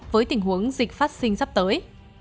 với tình huống dịch phát sinh sắp tới